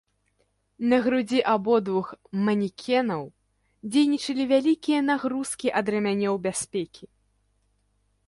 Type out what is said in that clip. На грудзі абодвух манекенаў дзейнічалі вялікія нагрузкі ад рамянёў бяспекі.